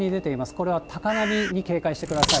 これは高波に警戒してください。